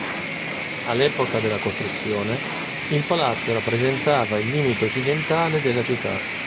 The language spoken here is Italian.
All'epoca della costruzione, il palazzo rappresentava il limite occidentale della città.